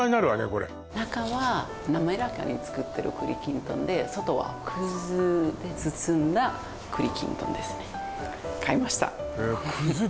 これ中はなめらかに作ってる栗きんとんで外は葛で包んだ栗きんとんですね買いました